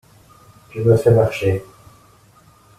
Tu me fais marcher?